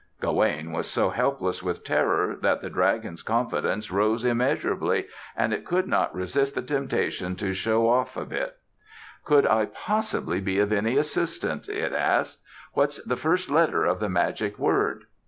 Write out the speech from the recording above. Gawaine was so helpless with terror that the dragon's confidence rose immeasurably and it could not resist the temptation to show off a bit. "Could I possibly be of any assistance?" it asked. "What's the first letter of the magic word?"